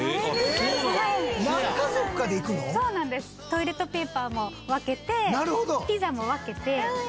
トイレットペーパーも分けてピザも分けて。